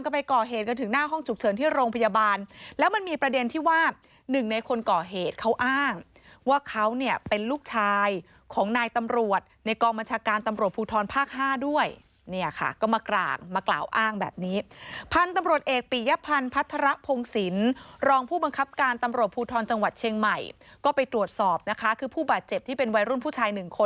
เป็นที่ว่าหนึ่งในคนก่อเหตุเขาอ้างว่าเขาเนี่ยเป็นลูกชายของนายตำรวจในกองบัญชาการตำรวจภูทรภาค๕ด้วยเนี่ยค่ะก็มากร่างมากล่าวอ้างแบบนี้พันธุ์ตำรวจเอกปียพันธุ์พัฒระพงศิลป์รองผู้บังคับการตำรวจภูทรจังหวัดเชียงใหม่ก็ไปตรวจสอบนะคะคือผู้บาดเจ็บที่เป็นวัยรุ่นผู้ช